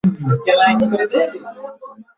তারা আমার বাবাকে হত্যা করেছে।